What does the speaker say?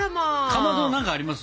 かまど何かあります？